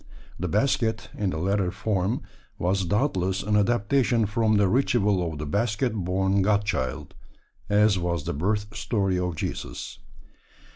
The basket, in the latter form, was doubtless an adaptation from the ritual of the basket born God Child, as was the birth story of Jesus.